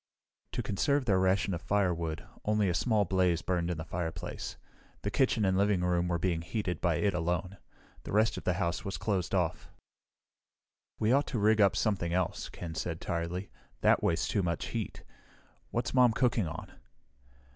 To conserve their ration of firewood, only a small blaze burned in the fireplace. The kitchen and living room were being heated by it alone. The rest of the house was closed off. "We ought to rig up something else," Ken said tiredly. "That wastes too much heat. What's Mom cooking on?"